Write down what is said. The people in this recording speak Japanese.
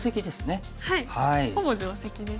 はいほぼ定石です。